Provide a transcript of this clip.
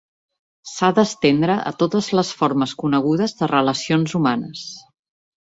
S'ha d'estendre a totes les formes conegudes de relacions humanes.